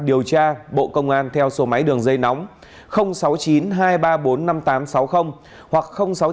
điều tra bộ công an theo số máy đường dây nóng sáu mươi chín hai trăm ba mươi bốn năm nghìn tám trăm sáu mươi hoặc sáu mươi chín hai trăm ba mươi hai một nghìn sáu trăm sáu mươi